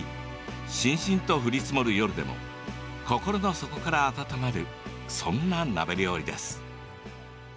しんしんと降り積もる夜でも心の底から温まるそんな鍋料理です。